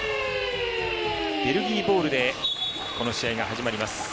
ベルギーボールでこの試合が始まりました。